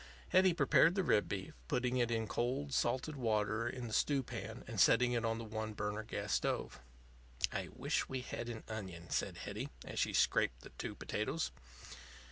Hetty prepared the rib beef, putting it in cold salted water in the stew pan and setting it on the one burner gas stove. "I wish we had an onion," said Hetty, as she scraped the two potatoes.